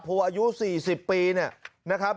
ผู้อายุ๔๐ปีนะครับ